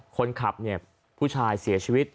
คนขับเนี่ยผู้ชายเสียชีวิต